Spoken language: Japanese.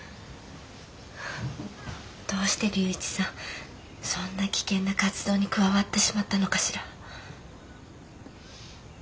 どうして龍一さんそんな危険な活動に加わってしまったのかしら？